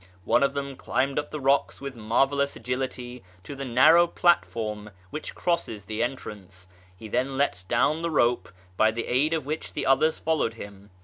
0)ie of them climbed up the rocks with marvellous agility to the narrow platform which crosses the entrance. He then let down the rope, by the aid of which the others followed him.